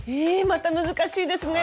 また難しいですね。